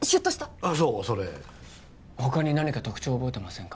あっそうそれ他に何か特徴覚えてませんか？